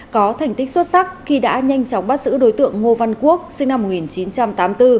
có thành tích xuất sắc khi đã nhanh chóng bắt giữ đối tượng ngô văn quốc sinh năm một nghìn chín trăm tám mươi bốn